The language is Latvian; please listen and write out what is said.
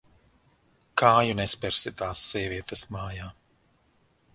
Kāju nespersi tās sievietes mājā.